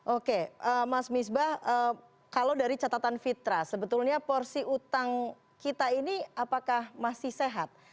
oke mas misbah kalau dari catatan fitra sebetulnya porsi utang kita ini apakah masih sehat